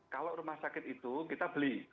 kalau rumah sakit itu kita beli